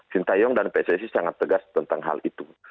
sinta yong dan psac sangat tegas tentang hal itu